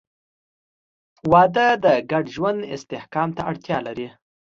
• واده د ګډ ژوند استحکام ته اړتیا لري.